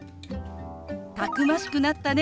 「たくましくなったね」